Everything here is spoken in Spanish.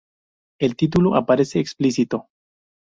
El título aparece explícito.